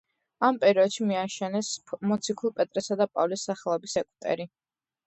ამ პერიოდში მიაშენეს მოციქულ პეტრესა და პავლეს სახელობის ეგვტერი.